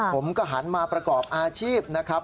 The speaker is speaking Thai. ผมก็หันมาประกอบอาชีพนะครับ